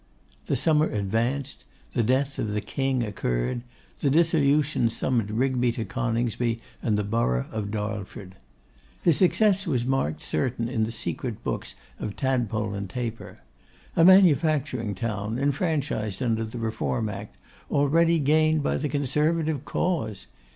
The summer advanced; the death of the King occurred; the dissolution summoned Rigby to Coningsby and the borough of Darlford. His success was marked certain in the secret books of Tadpole and Taper. A manufacturing town, enfranchised under the Reform Act, already gained by the Conservative cause!